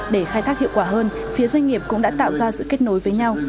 để khai thác hiệu quả hơn phía doanh nghiệp cũng đã tạo ra sự kết nối với nhau